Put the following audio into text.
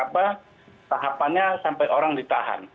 tahapannya sampai orang ditahan